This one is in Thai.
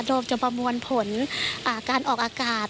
เราจะประมวลผลการออกอากาศ